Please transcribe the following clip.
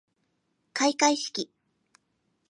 かいかいしき